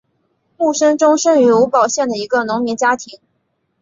慕生忠生于吴堡县的一个农民家庭。